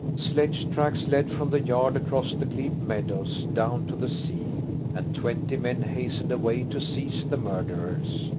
Sledge tracks led from the yard across the glebe meadows down to the sea, and twenty men hastened away to seize the murderers.